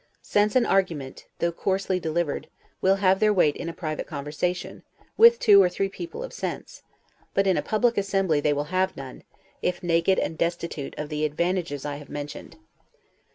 Sense and argument, though coarsely delivered, will have their weight in a private conversation, with two or three people of sense; but in a public assembly they will have none, if naked and destitute of the advantages I have mentioned.